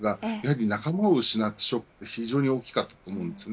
仲間を失ったショックは非常に大きかったと思います。